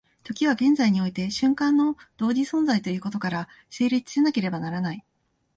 時は現在において瞬間の同時存在ということから成立せなければならない。